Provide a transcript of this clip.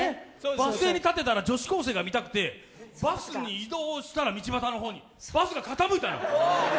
バス停に立ってたら、女子高生が見たくて、バスに移動したら、道端の方に、バスが傾いたの。